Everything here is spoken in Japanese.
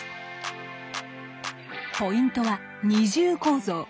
ポイントは二重構造。